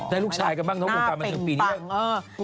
ได้ลูกชายกันบ้างทั้งวงการมาถึงปีนี้